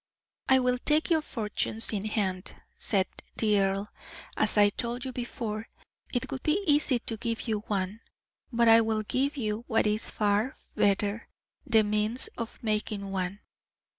"I will take your fortunes in hand," said the earl, "as I told you before. It would be easy to give you one; but I will give you what is far better the means of making one.